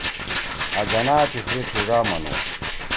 آں جناح تیِسی ڇھیِڙا منُو